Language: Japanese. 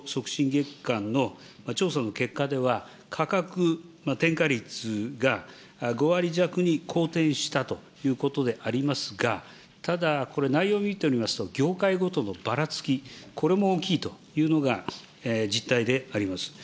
月間の調査の結果では、価格転嫁率が５割弱に好転したということでありますが、ただ、これ、内容を見ておりますと、業界ごとのばらつき、これも大きいというのが実態であります。